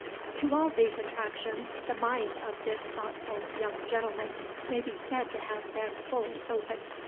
To all these attractions the mind of this thoughtful young gentleman may be said to have been fully open.